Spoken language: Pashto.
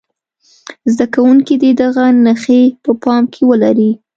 زده کوونکي دې دغه نښې په پام کې ولري.